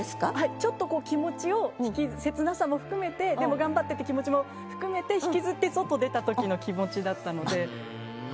ちょっとこう気持ちを切なさも含めてでも頑張ってって気持ちも含めて引きずって外出たときの気持ちだったので。